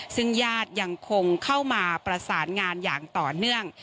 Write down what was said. ซึ่งญาติยังคงเข้ามาประสานงานอย่างต่อเนื่อง